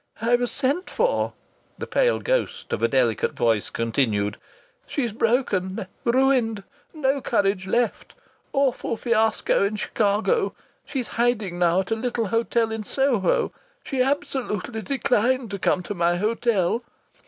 "I was sent for," the pale ghost of a delicate voice continued. "She's broken, ruined; no courage left. Awful fiasco in Chicago! She's hiding now at a little hotel in Soho. She absolutely declined to come to my hotel.